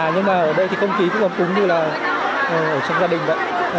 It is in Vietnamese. nhưng ở đây thì không ký cũng như là ở trong gia đình